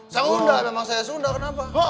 saya unda memang saya unda kenapa